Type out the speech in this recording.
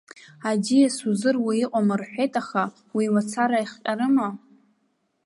Аӡиас узыруа иҟам рҳәеит аха, уи мацара иахҟьарыма?